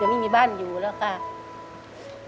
ไม่มีบ้านอยู่แล้วค่ะ